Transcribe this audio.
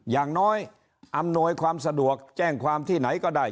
อย่างน้อยอำนวยความสะดวกแจ้งความที่ไหนก็ได้